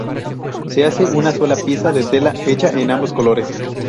Se hace en una sola pieza de tela hecha en ambos colores.